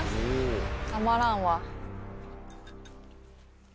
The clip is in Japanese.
たまらんわ。